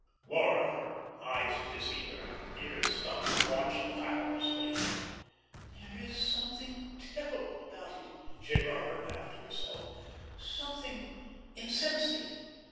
Laura, her eyes dizzied, her ears stunned, watched tirelessly. "There is something terrible about it," she murmured, half to herself, "something insensate.